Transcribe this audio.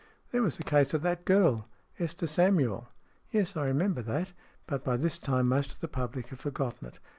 " There was the case of that girl Esther Samuel." " Yes, I remember that. But by this time most of the public have forgotten it.